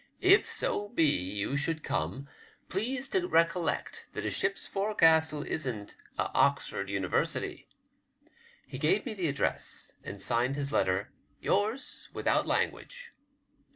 If so be you should come, please to recollect that a ship's forecastle isn't a Oxford University." He gave me the address, and signed his letter, '^ Yours, without language."